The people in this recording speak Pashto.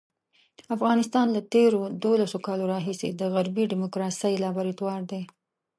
افغانستان له تېرو دولسو کالو راهیسې د غربي ډیموکراسۍ لابراتوار دی.